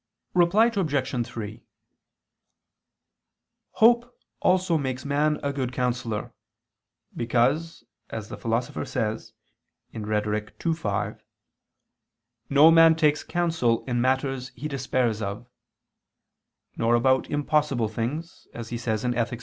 Reply Obj. 3: Hope also makes man a good counsellor: because, as the Philosopher says (Rhet. ii, 5), "no man takes counsel in matters he despairs of," nor about impossible things, as he says in _Ethic.